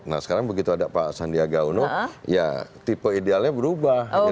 nah sekarang begitu ada pak sandiaga uno ya tipe idealnya berubah